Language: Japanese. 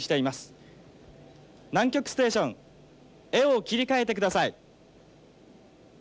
南極ステーション絵を切り替えて下さい。